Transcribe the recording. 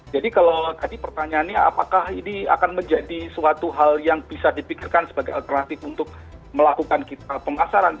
jadi kalau tadi pertanyaannya apakah ini akan menjadi suatu hal yang bisa dipikirkan sebagai alternatif untuk melakukan kita pengasaran